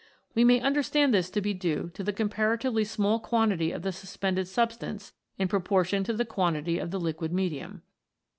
We may understand this to be due to the comparatively small quantity of the suspended substance in proportion to the quantity of the liquid medium.